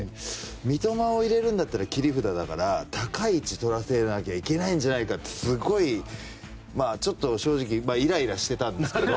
三笘を入れるんだったら切り札だから高い位置とらせなきゃいけないんじゃないかってちょっと正直イライラしてたんですよ。